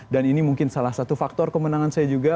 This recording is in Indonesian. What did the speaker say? ini mungkin salah satu faktor kemenangan saya juga